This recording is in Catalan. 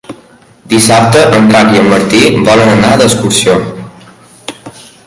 Dissabte en Drac i en Martí volen anar d'excursió.